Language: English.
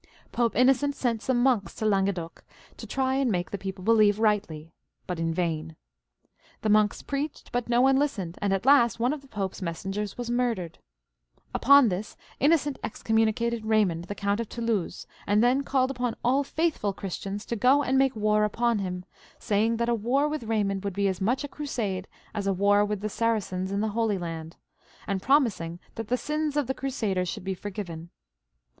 Pope Innocent sent some monks to Languedoc to try and^make the people believe rightly, but in vain. The monks preached, but no one listened, and at last one of the Pope's messengers was murdered. Upon this Innocent excommunicated Eaymond, the Count of Toulouse, and then called upon all faithful Christians to go and make war upon him, saying that a war with Eaymond would be as much a crusade as a war with the Saracens in the Holy Xand, and. promising that the sins of the crusaders should be forgiven.